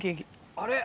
あれ？